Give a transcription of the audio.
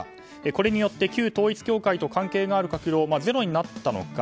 これによって旧統一教会と関係のある閣僚はゼロになったのか。